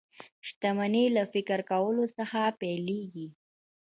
شتمني له فکر کولو څخه پيلېږي